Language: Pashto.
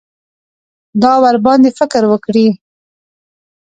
دا ورباندې فکر وکړي.